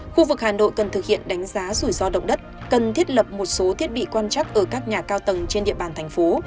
khu vực hà nội cần thực hiện đánh giá rủi ro động đất cần thiết lập một số thiết bị quan trắc ở các nhà cao tầng trên địa bàn thành phố